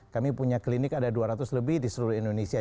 kami punya klinik ada dua ratus lebih di seluruh indonesia